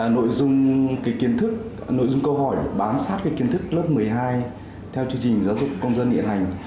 nội dung câu hỏi bám sát kiến thức lớp một mươi hai theo chương trình giáo dục công dân hiện hành